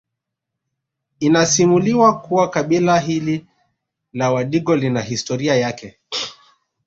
Inasimuliwa kuwa kabila hili la Wadigo lina histroria yake